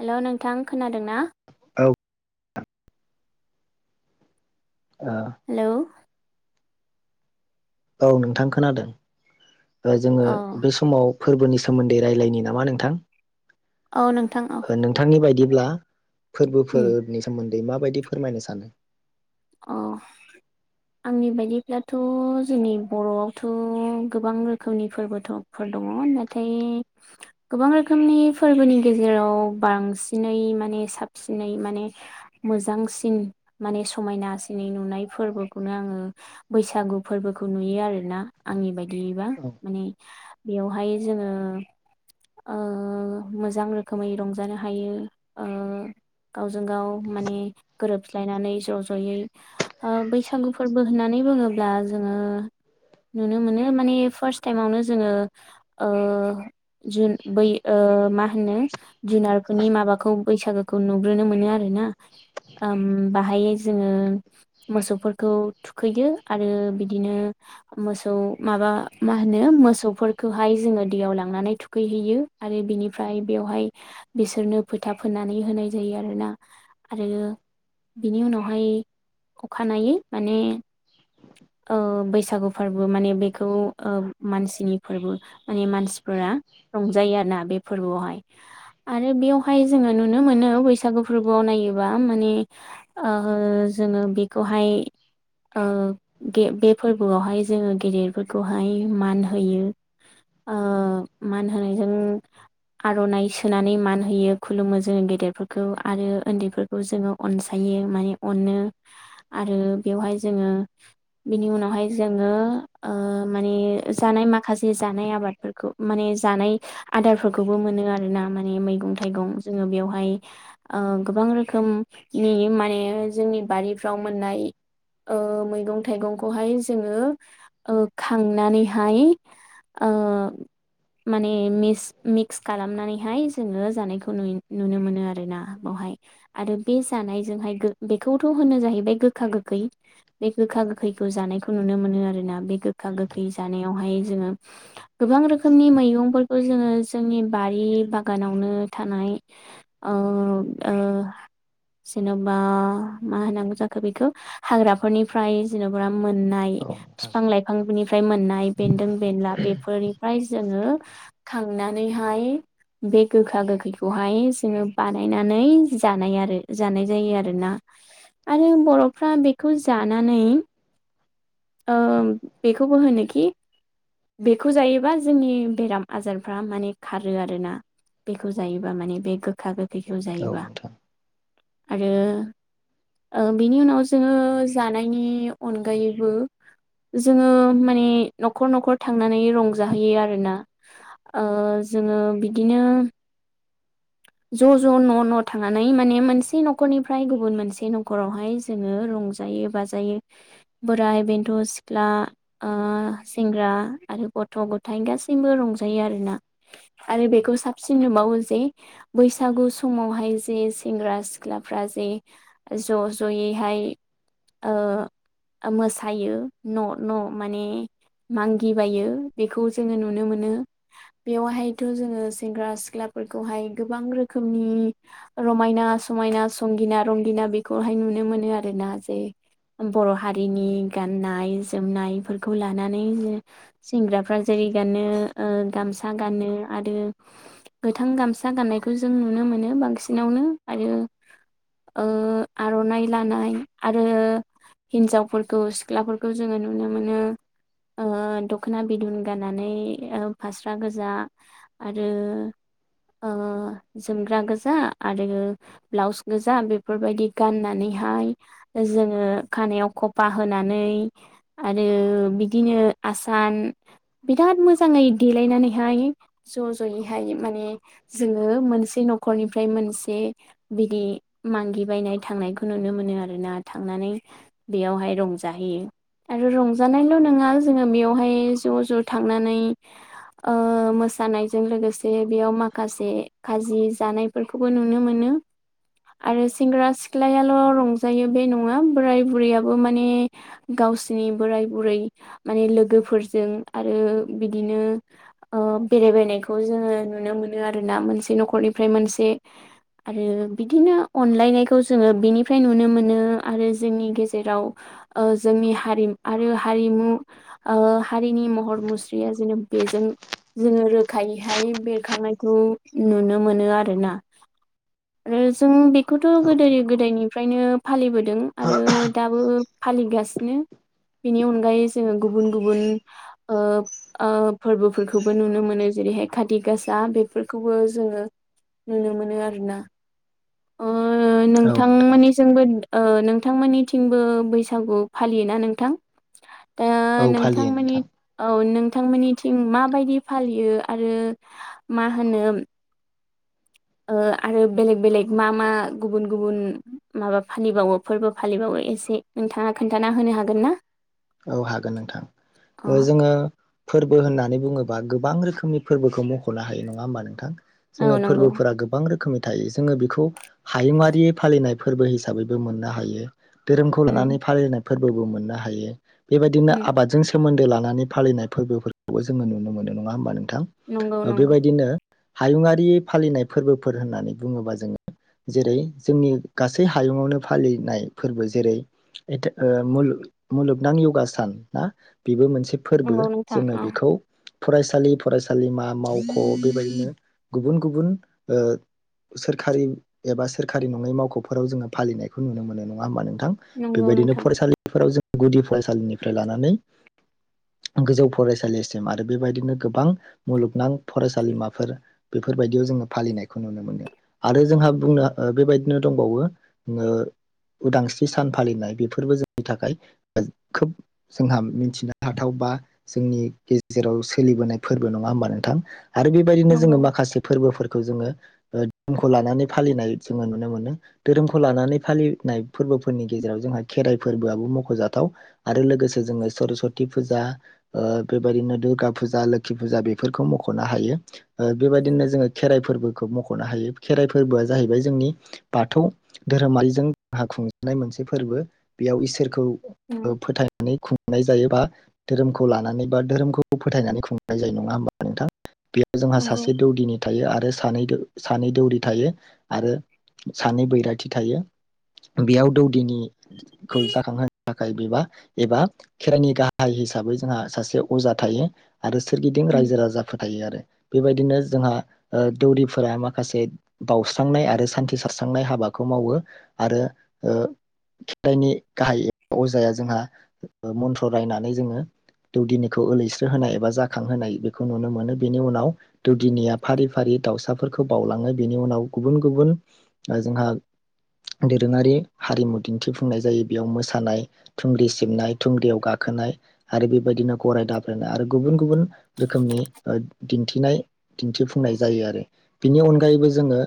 हेल' नोंथां खोनादों ना औ हेलौ औ नोंथां खोनादों जोङो औ बे समाव फोरबोनि सोमोन्दै रायजलायनि नामा नोंथां औ नोंथां औ ब्ला उम फोरबोफोरनि सोमोन्दै बै माबायदि फोरमायनो सानो अ आंनि बायदिब्लाथ' जोंनि बर'आवथ' गोबां रोखोमनि फोरबोफोर दङ नाथाय गोबां रोखोमनि फोरबोनि गेजेराव बांसिनै माने साबसिनै माने मोजांसिन माने समायनासिनै नुनाय फोरबोखौनो आङो बैसागु फोरबोखौ नुयो आरोना आंनि बायदियबा औ माने बेयावहाय जोङो मोजां रोखोमै रंजानो हायो गावजों गाव माने गोरोबस्लायनानै ज' ज' ओ बैसागु फोरबो होननानै बुङोब्ला जोङो नुनो मोनो माने फार्स्ट टाइमावनो जोङो ओ बै मा होनो जुनारफोरनि माबाखौ बैसागुखौ नुग्रोनो मोनो आरोना बाहाय जोङो मोसौफोरखौ थुखैयो आरो बिदिनो मोसौ माबा मा होनो मोसौफोरखौहाय जोङो दैयाव लांनानै थुखैहैयो आरो बिनिफ्राय बेवहाय बिसोरनो फोथा फोननानै होनाय जायो आरोना आरो बिनि उनाव बेहाय अखानायै माने ओ बैसागु फोरबो माने बेखौ मानसिनि फोरबो माने मानसिफोरा रंजायो आरोना बे फोरबोआवहाय आरो बेयावहाय जोङो नुनो मोनो बैसागु फोरबोआव नायोबा माने ओ जोङो बेखौहाय ओ बे फोरबोआवहाय जोङो गेदेरफोरखौहाय मान होयो ओ मान होनायजों आर'नाइ सोनानै मान होयो खुलुमो जोङो गेदेरफोरखौ आरो उन्दैफोरखौ जोङो अनसायो। माने अनो आरो बेवहाय जोङो बेनि उनावहाय जोङो ओ माने जानाय माखासे जानाय आबादफोरखौ माने जानाय आदारफोरखौबो मोनो आरोना माने मैगं थाइगं जोङो बेवहाय ओ गोबां रोखोमनि माने जोंनि बारिफ्राव मोननाय ओ मैगं थाइगंखौहाय जोङो ओ खांनानैहाय ओ माने मिक्स खालामनानैहाय जोङो जानायखौ नुनो मोनो आरोना बेयावहाय आरो बे जानायजोंहाय बेखौथ' होनो जाहैबाय गोखा गोखै बे गोखा गोखैखौ जानायखौ नुनो मोनो आरोना बे गोखा गोखै जानायावहाय जोङो गोबां रोखोमनि मैगंफोर जोङो जोंनि बारि बागानावनो थानाय ओ ओ जेन'बा मा होनांगौ जाखो बेखौ हाग्राफोरनिफ्राय जेन'बा मोननाय औ नोंथां फिफां लाइफांनिफ्राय मोननाय बेन्दों बेनला बेफोरनिफ्राय जोङो खांनानैहाय बे गोखा गोखैखौहाय जोङो बानायनानै जानाय आरो जानाय जायो आरोना आरो बर'फ्रा बेखौ जानानै ओ बेखौबो होनोखि बेखौ जायोबा जोंनि बेराम आजारफ्रा माने खारो आरोना बेखौ जायोबा माने बे गोखा गोखा खैखौ औ जायोबा नोंथां आरो ओ बिनि उनाव जोङो जानायनि अनगायैबो जोङो माने न'खर न'खर थांनानै रंजाहैयो आरोना जोङो बिदिनो ज' ज' न' न' थांनानै माने मोनसे न'खरनिफ्राय गुबुन मोनसे न'खरावहाय जोङो रंजायो बाजायो बोराय बेन्थ' सिख्ला सेंग्रा आरो गथ' गथायाइ गासैबो रंजायो आरोना आरो बेखौ साबसिन नुबावो जे बैसागु समावहाय जे सेंग्रा सिख्लाफ्रा जे ज' ज'यैहाय मोसायो न' न' माने मांगिबायो बेखौ जोङो नुनो मोनो बेवहायथ' जोङो सेंग्रा सिख्ला बेखौहाय गोबां रोखोमनि रमायना समायना संगिना रंगिना बेखौहाय नुनो मोनो आरोना जे बर' हारिनि गाननाय जोमनायफोरखौ लानानै सेंग्राफ्रा गामसा गानो आरो गोथां गामसा गाननायखौ जों नुनो मोनो बांसिनावनो आरो आर'नाइ लानाय आरो हिन्जावफोरखौ सिख्लाफोरखौ जोङो नुनो मोनो दख'ना बिदुन गाननानै फास्रा गोजा आरो ओ जोमग्रा गोजा आरो ब्लाउस गोजा बेफोरबायदि गाननानैहाय जोङो खानायाव खफा होनानै आरो बिदिनो आसान बिराद मोजाङै देलायनानैहाय ज' ज'यैहाय मा ने जोङो मोनसे न'खरनिफ्राय मोनसे बिदि मांगिबायनाय थांनायखौ नुनो मोनो आरोना थांनानै बेयावहाय रंजाहैयो आरो रंजानायल' नङा जोङो बेयावहाय ज' ज' थांनानै ओ मोसानायजों लोगोसे बेयाव माखासे खाजि जानायफोरखौबो नुनो मोनो आरो सेंग्रा सिख्लायाल' रंजायो बे नङा बोराय बुरैयाबो माने गावसिनि बोराय बुरै माने लोगोफोरजों आरो बिदिनो बेरायबायनायखौ जोङो नु नुनो मोनो आरोना मोनसे न'खरनिफ्राय मोनसे आरो बिदिनो अनलायनायखौ जोङो बिनिफ्राय नुनो मोनो आरो जोंनि गेजेराव ओ जोंनि हारि आरो हारिमु ओ हारिनि महर मुस्रिया जेन बेजों जोङो रोखायैहाय बेर खांनायखौ नुनो मोनो आरो ना आरो जों बेखौथ' औ गोदो गोदायनि फ्रायनो फालिबो दों आरो दाबो फालिगासिनो बेनि अनगायै जोङो गुबुन गुबुन ओ ओ फोरबोफोरखौबो नुनो मोनो जेरैहाय खाथि गा सा बेफोरखौबो जोङो नुनो मोनो आरोना ओ ओ नोंथां मोननि जोंबो ओ नोंथांमोननिथिंबो बैसागु फालियो ना नोंथां? दा औ नोंथां फालियो मोननि औ नों नोंथांमोननिथिं माबायदि फालियो आरो मा होनो ओ आरो बेलेग बेलेग मा मा गुबुन गुबुन माबा फालिबावो फोरबो फालिबावो एसे नोंथाङा खोन्थाना होनो हागोन ना औ हागोन नोंथां अ जोङो फोरबो होननानै बुङोबा गो बां रोखोमनि फोरबोखौ मख'नो हायो नङा होमबा नोंथां। जोङो औ नंगौ फोरबोफोरा गोबां रो खोमै थायो जोङो बेखौ हायुआारि फालिनाय फोरबो हिसाबैबो मोननो हायो। धोरोमखौ उम लानानै फालिनाय फोरबोबो मोननो हायो । बेबायदिनो उम आबादजों सोमोन्दो ला नानै फालिनाय फोरबोफोरखौ जोंङो मोनो नुनो होमबा नों थां नंगौ ओ नंगौ बेबायदिनो हायुंरारि फालिनाय फोरबोफोर होननानै बुंङोबा जोंङो जेरै जोंनि गासै हायुंआवनो फालिनाय फोरबो जेरै [unintelligible] मु मुलुग नोंथां यगा सान ना बेबो मोनसे फोरबो नंगौ नोंथां जोंङो औ बेखौ फरायसालि फरायसालिमा मावख' बेबायदिनो गुबुन गुबुन ओ सोरखारि एबा सोरखारि नंङै मावख'फोराव जोंङो फालिनायखौ नुनो मोनो नंङा होनोमबा नों थां नंगौ बेबायदिनो नोंथां फरायसालिफोराव जों गुदि फरायसालिनिफ्राय लानानै गोजौ फरायसालिसिम आरो बेबायदिनो गोबां मुलुगनां फरायसालिमाफोर बेफोरबायदियाव जोंङो फालिनायखौ नुनो मोनो आरो जोंहा बुंनो बेबायदिनो दंबावो ओ उदांस्रि सान फालिनाय बेफोरबो जोंनि थाखाय खोब जोंहा मिथिनो हाथाव बा जोंनि गेजेराव सोलिबोनाय फोरबो नंङा होमबा नोंथां आरो बेबायदिनो जोंङो नंगौ माखासे फोरबोफोरखौ जोंङो ओ धोरोमखौ लानानै फालिनाय जोंङो नुनो मोनो धोरोमखौ लानानै फालिनाय फोरबोफोरनि गेजेराव जोंहा खेराइ फोरबोआबो मख'जा थाव आरो लोगोसे जोङो सरसति फुजा बेबायदिनो दुर्गा फुजा लोखि फुजा आरो लोगोस जों सरासति पुजा ओ बेबायदिनो दुरगा पुजा लोखि पुजा बेफोरखौ मख'नो हायो बेबायदिनो जोंङो खेराइ फोरबोखौ मख'नो हायो खेराइ फोरबोआ जाहैबाय जोंनि बाथौ धोरोमारिजों जोंहा खुंजानाय मोनसे फोरबो बेयाव इसोरखौ उम ओ फोथायनाय खुं खुंनाय जायोबा धोरोमखौ लानानै बा धोरोमखौ फोथायनानै खुंनाय जायो नङा होमबा नोंथां? बेयाव जोंहा नंगौ सासे दौदिनि थायो आरो । सानै सानै दौरि थायो आरो सानै बैराथि थायो बेयाव दौदिनि खौ जाखांहोन थाखाय बेबा एबा खेराइनि गाहाय हिसाबै जोंहा सासे अजा थायो । आरो सोरगिदिं उम रायजो राजाफोरो थायो आरो । बेबायदिनो जोंहा ओ दौरिफोरा माखासे बावउस्रांनाय आरो सान्थि सारस्रांनाय हाबाखौ मावो आरो ओ खेराइनि गाहाय ए अजाया जोंहा मन्थ्र रायनानै जोंङो दौदिनिखौ एलैस्रो होनाय एबा जाखांहोनाय बे खौ नुनो मोनो बेनि उनाव दौदिनिया फारि फारि दाउसाफोरखौ बावलांङो बेनि उनाव गुबुन गुबुन जोंहा दोरोंङारि हारिमु दिन्थिफुंनाय जायो बेयाव मोसा ानाय थुंग्रि सिबनाय थुंग्रियाव गाखोनाय आरो बेबायदिनो गराय दाब्रायनाय थुंग्रि सिबनाय थुंग्रियाव गाखोनाय आरो बेबायदिनो गराय दाब्रायनाय आरो थुंग्रि सिबनाय थुंग्रियाव गाखोनाय आरो बेबायदिनो गराय दाब्रायनाय आरो गुबुन गुबुन रोखोमनि दिथिनाय दिन्थिफुंनाय जायो आरो बिनि अनगायैबो जोंङो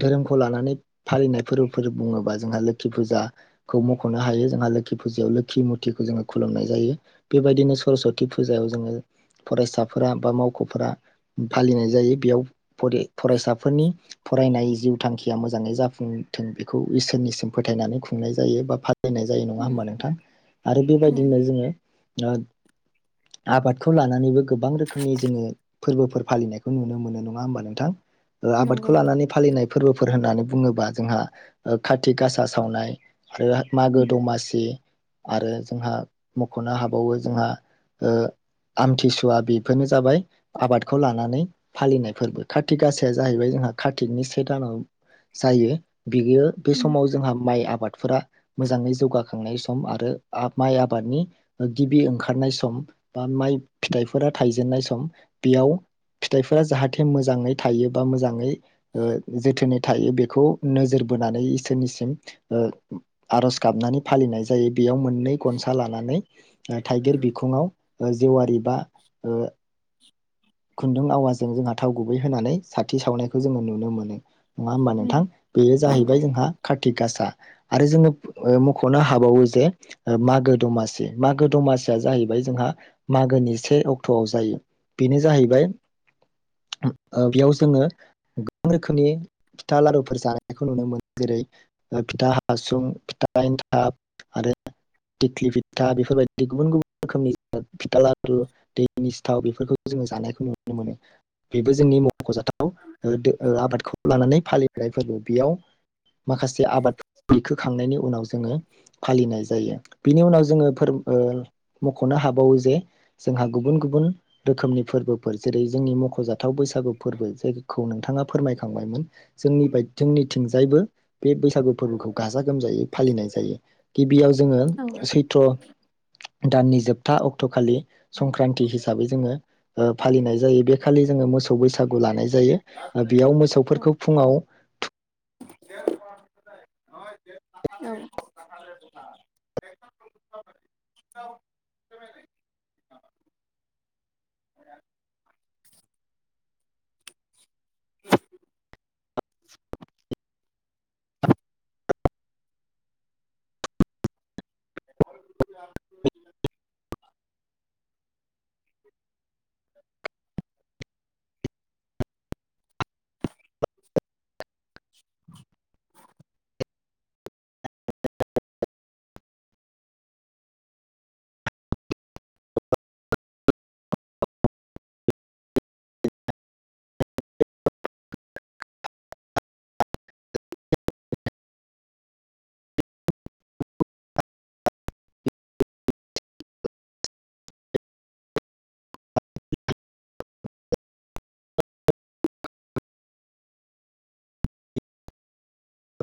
धोरोमखौ लानानै फालिनाय फोरबोफोर बुंङोबा जोंहा लोखि फुजाखौ मख'नो हायो । जोंहा लोखि फुजायाव लोखि मुरथिखौ जोङो खुलुमनाय जायो बेबायदिनो सरसति फुजायाव जोंङो फरायसाफोरा बा मावख'फोरा फालिनाय जायो । बेयाव फरायसाफोरनि फरायनाय जिउ थांखिया मोजांङै जाफुंथों बेखौ इसोरनिसिम फोथायनानै खुंनाय जायो बा फालिनाय जायो नंङा होमबा उम नोंथां आरो उम बेबायदिनो जोंङो आबादखौ लानानैबो गोबां रोखोमनि जोंङो फोरबोफोर फालिनायखौ नुनो मोनो नङा होमबा नोंथां? आबादखौ नंगौ लानानै फालिनाय फोरबो होननानै बुङोबा जोंहा ओ खाथि गासा सावनाय आरो मागो उम दमासि आरो जोंहा मख'नो हाबावो जोंहा ओ आमथिसुवा बेफोरनो जाबाय आबादखौ लानानै फालिनाय फोरबो कार्ति गाासाया जाहैबाय जोंहा कार्तिकनि से दानाव जायो । बियो बे उम समाव जोंहा माइ आ आबादफोरा मोजाङै जौगाखांनाय सम आरो माइ आबादनि गिबि ओंखारनाय सम बा माइ फिथाइफोरा थायजेननाय सम बेयाव फिथाइफोरा जाहाथे मोजांङै थायो बा मोजांङै ओ जोथोनै थायो बेखौ नोजोर बोनानै इसोरनिसिम आर'ज गाबनानै फालिनाय जायो । बेयाव मोननै गनसा लानानै थाइगिर बिखुङाव ओ जेवारि बा ओ खुन्दुं आवाजों जोंहा थाव गुबै होनानै साथि सावनायखौ जोङो नुनो मोनो। नङा होमबा नोंथां उम बेयो नंगौ जाहैबाय जोंहा कार्तिक गासा आरो जोङो मख'नो हाबावो जे मागो दमासि मागो दमासिया जाहैबाय जोंहा मागोनि से अक्ट'आव जायो बेनो जाहैबाय बेयाव जोङो गोबां रोखोमनि फिथा लारुफोर जानायखौ नुनो मोनो जेरै फिथा हासुं फिथा था एनथाब आरो थिख्लि फिथा बेफोरबायदि गुबुन गुबुन रोखोमनि फिथालादु दैनि सिथाव बेफोरखौ जोङो जानायखौ नुनो मोनो । बेबो जोंनि मख'जाथाव आबादखौ लानानै फालिनाय फोरबो बेयाव माखासे आबाद खोखांनायनि उनाव जोङो फालिनाय जायो बिनि उनाव जोङो फोर मख'नो हाबावो जे जोंहा गुबुन गुबुन रोखोमनि फोरबोफोर जेरै जोंनि मख'जाथाव बैसाग बैसागु फोरबो जायखौ नोंथाङा फोरमायखांबायमोन जोंनि बा जोंनिथिंजायबो बे बैसागु फोरबोखौ गाजा गोमजायै फालिनाय जायो गिबियाव जोङो औ सैत्र दाननि जोबथा अक्ट'खालि संक्रान्ति हिसाबै जोङो फालिनाय जायो बेखालि जोङो मोसौ बैसागु लानाय जायो। जायो बेयाव औ मोसौफोरखौ फुङाव औ [inaudible]